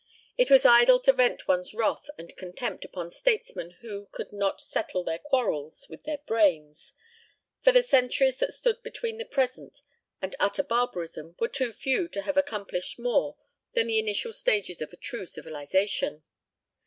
It was idle to vent one's wrath and contempt upon statesmen who could not settle their quarrels with their brains, for the centuries that stood between the present and utter barbarism were too few to have accomplished more than the initial stages of a true civilization.